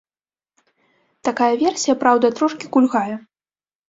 Такая версія, праўда, трошкі кульгае.